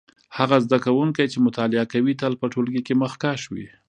هغه زده کوونکی چې مطالعه کوي تل په ټولګي کې مخکښ وي.